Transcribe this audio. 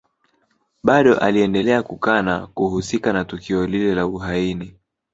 Bado aliendelea kukana kuhusika na tukio lile la uhaini